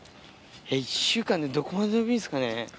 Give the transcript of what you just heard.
１週間でどこまで伸びるんですかね。